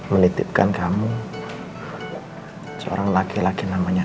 melitipkan kamu seorang laki laki namanya al